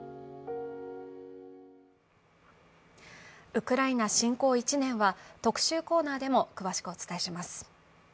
「ウクライナ侵攻１年」は特集コーナーでも詳しくお伝えします。